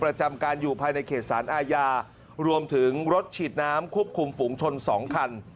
ประจำการอยู่ภายในเขตสารอาญารวมถึงรถฉีดน้ำควบคุมฝูงชน๒คัน